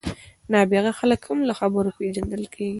نابغه خلک هم له خبرو پېژندل کېږي.